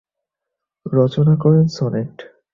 রচনা করেন সনেট।